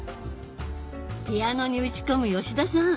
ピアノに打ち込む吉田さん。